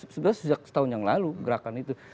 sebenarnya sejak setahun yang lalu gerakan itu